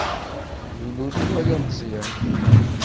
Yiwen ur iwala Meẓyan.